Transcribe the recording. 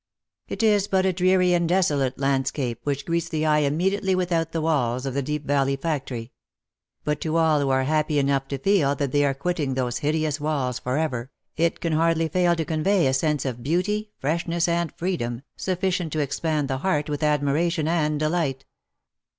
It is but a dreary and desolate landscape which greets the eye imme diately without the walls of the Deep Valley factory ; but to all who OF MICHAEL ARMSTRONG. 263 are happy enough to feel that they are quitting those hideous walls for ever, it can hardly fail to convey a sense of beauty, freshness, and freedom, sufficient to expand the heart with admiration and delight.